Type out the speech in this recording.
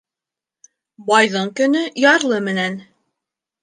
Байҙың көнө ярлы менән.